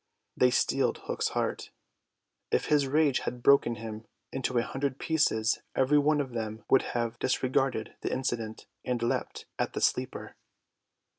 They steeled Hook's heart. If his rage had broken him into a hundred pieces every one of them would have disregarded the incident, and leapt at the sleeper.